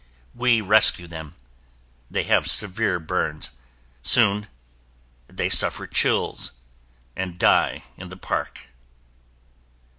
We rescue them. They have severe burns. Soon they suffer chills and die in the park.